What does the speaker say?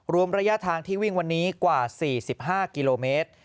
รวมระยะทางที่วิ่งวันนี้กว่า๔๕กิโลเมตร